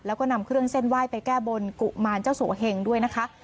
แล้วก็นำเครื่องเส้นไหว้ไปแก้บนกุมารเจ้าสัวเหงด้วยนะคะ